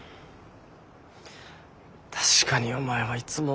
確かにお前はいつも。